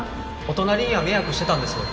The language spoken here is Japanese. お隣には迷惑してたんです